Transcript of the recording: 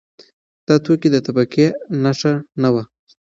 دا توکی د طبقې نښه نه وه.